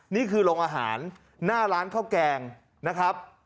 นี่คือโรงอาหารหน้าร้านข้าวแกงนะครับ